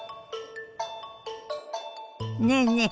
ねえねえ